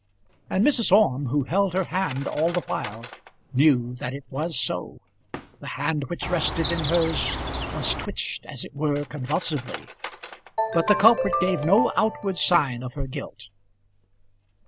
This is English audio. And Mrs. Orme, who held her hand all the while, knew that it was so. The hand which rested in hers was twitched as it were convulsively, but the culprit gave no outward sign of her guilt.